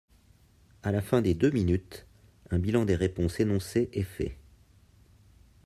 À la fin des deux minutes, un bilan des réponses énoncées est fait.